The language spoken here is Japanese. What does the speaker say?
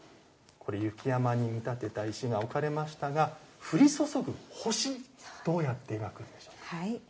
雪山に見立てた石が置かれましたが降り注ぐ星どうやって描くんでしょうか。